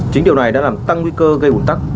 chính điều này đã làm tăng nguy cơ gây ủn tắc